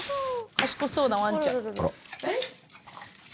賢そうなわんちゃん。